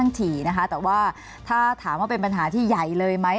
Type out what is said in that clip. ๒๓วันมานี้อาจจะเห็นค่อนข้างถี่นะคะแต่ว่าถ้าถามว่าเป็นปัญหาที่ใหญ่เลยไหม